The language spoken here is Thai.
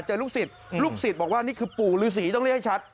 ลูกศิษย์ลูกศิษย์บอกว่านี่คือปู่ฤษีต้องเรียกให้ชัด